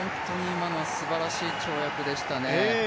今のすばらしい跳躍でしたね。